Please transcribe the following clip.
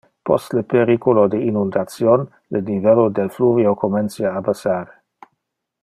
Post le periculo de inundation, le nivello del fluvio comencia a bassar.